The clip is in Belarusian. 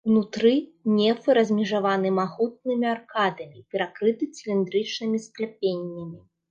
Унутры нефы размежаваны магутнымі аркадамі, перакрыты цыліндрычнымі скляпеннямі.